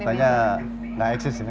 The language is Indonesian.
katanya nggak eksis ini